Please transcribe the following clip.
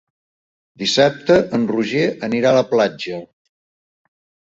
Dissabte en Roger anirà a la platja.